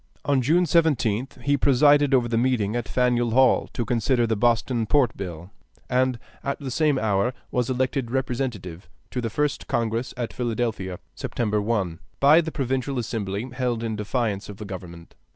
On June 17th he presided over the meeting at Faneuil Hall to consider the Boston Port Bill, and at the same hour was elected Representative to the first Congress at Philadelphia (September 1) by the Provincial Assembly held in defiance of the government.